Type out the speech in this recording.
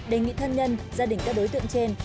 đề nghị thân nhân gia đình các đối tượng trên